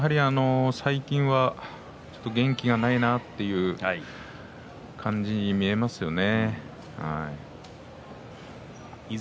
最近は元気がないなという感じに見えますね。